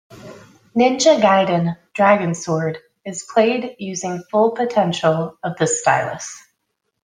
"Ninja Gaiden: Dragon Sword" is played using full potential of the stylus.